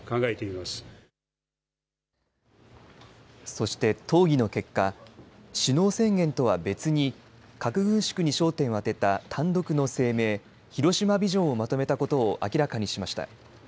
そして、討議の結果首脳宣言とは別に核軍縮に焦点を当てた単独の声明広島ビジョンをまとめたことを明らかにしました。